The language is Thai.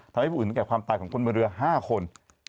ทำให้ผู้อื่นถึงแก่ความตายของคนบนเรือ๕คน